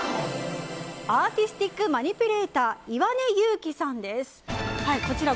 アーティスティックマニピュレーター岩根佑樹さんです。